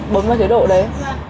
bấm vào chế độ đấy